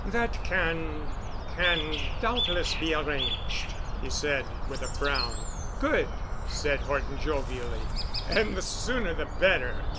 "That can—can doubtless be arranged," he said with a frown. "Good," said Horton jovially. "And the sooner the better.